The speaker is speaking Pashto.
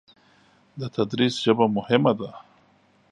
د تدریس ژبه مهمه ده.